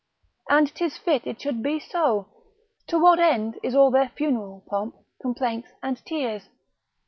And 'tis fit it should be so; to what end is all their funeral pomp, complaints, and tears?